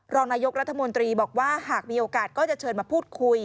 รองนายกรัฐมนตรีบอกว่าหากมีโอกาสก็จะเชิญมาพูดคุย